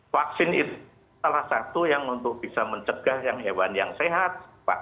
vaksin itu salah satu yang untuk bisa mencegah yang hewan yang sehat